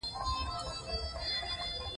هغوی عمرې او حج سفر ته تشویق کړي.